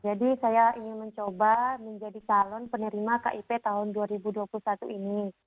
jadi saya ingin mencoba menjadi calon penerima kip tahun dua ribu dua puluh satu ini